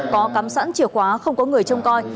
có cắm sẵn chìa khóa không có người trông coi